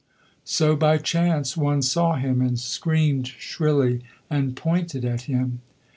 So by chance one saw him, and screamed shrilly, and pointed at him.